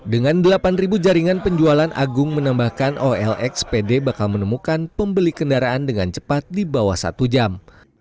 dengan delapan jaringan penjualan agung menambahkan olx pd bakal menemukan pembeli kendaraan dengan cepat di bawah satu jam